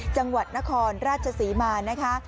จังหวัดนครราชศรีมานะคะ